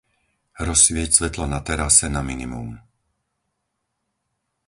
Rozsvieť svetlo na terase na minimum.